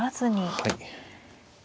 はい。